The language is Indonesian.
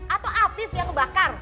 atau afif yang ngebakar